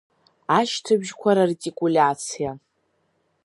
Ашьҭыбжьқәа рартикулиациа…